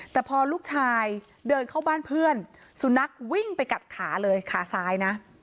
แต่พอลูกชายเดินเข้าบ้านเพื่อนสุนัขวิ่งไปกัดขาเลยขาซ้ายนะ